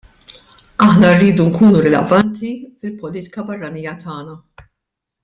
Aħna rridu nkunu rilevanti fil-politika barranija tagħna.